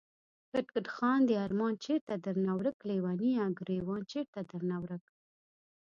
کټ کټ خاندی ارمان چېرته درنه ورک ليونيه، ګريوان چيرته درنه ورک